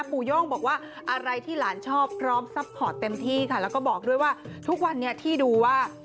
โย่งบอกว่าอะไรที่หลานชอบพร้อมซัพพอร์ตเต็มที่ค่ะแล้วก็บอกด้วยว่าทุกวันนี้ที่ดูว่า